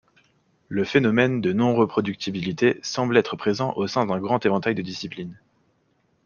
Le phénomène de non-reproductibilité semble être présent au sein d'un grand éventail de disciplines.